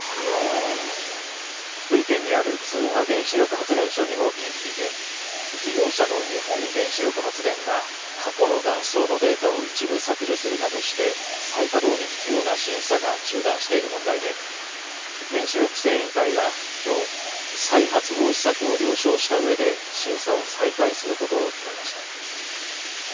福井県にある敦賀原子力発電所２号機について事業者の日本原子力発電が過去の断層のデータを一部削除するなどして再稼働に必要な審査が中断している問題で原子力規制委員会はきょう再発防止策を了承したうえで審査を再開することを決めました。